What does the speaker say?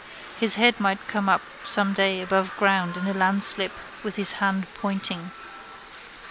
His head might come up some day above ground in a landslip with his hand pointing.